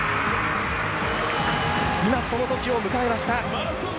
今、その時を迎えました。